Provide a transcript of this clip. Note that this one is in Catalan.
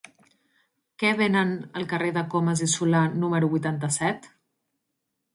Què venen al carrer de Comas i Solà número vuitanta-set?